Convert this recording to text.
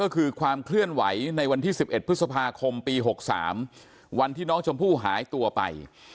ก็คือความเคลื่อนไหวในวันที่๑๑พฤษภาคมปี๖๓วันที่น้องชมพู่หายตัวไป